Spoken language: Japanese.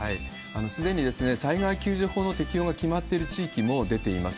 すでに災害救助法の適用が決まっている地域も出ています。